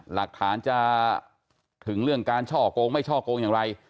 หลักฐานจะถึงเรื่องการช่อกงไม่ช่อโกงอย่างไร